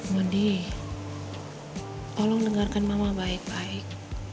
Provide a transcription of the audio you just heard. medi tolong dengarkan mama baik baik